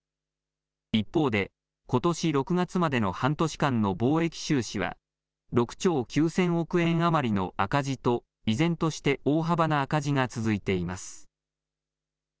一方でことし６月までの半年間の貿易収支は６兆９０００億円余りの赤字と依然として大幅な赤字が続いています。